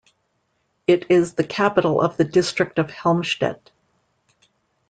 It is the capital of the District of Helmstedt.